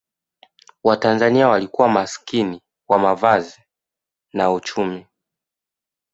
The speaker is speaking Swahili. watanzania walikuwa maskini wa mavazi na uchumi